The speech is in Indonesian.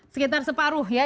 sekitar separuh ya